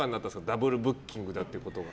ダブルブッキングってことが。